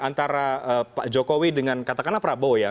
antara pak jokowi dengan katakanlah prabowo ya